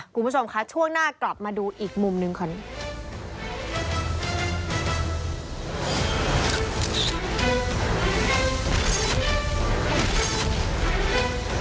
คุณผู้ชมคะช่วงหน้ากลับมาดูอีกมุมหนึ่งก่อน